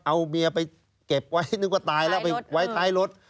เอามีไปเก็บไว้เมื่อตายท้ายรถ